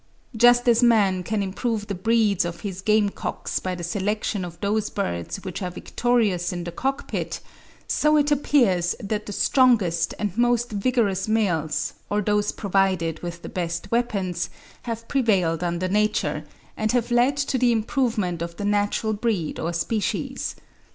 Just as man can improve the breeds of his game cocks by the selection of those birds which are victorious in the cockpit, so it appears that the strongest and most vigorous males, or those provided with the best weapons, have prevailed under nature, and have led to the improvement of the natural breed or species.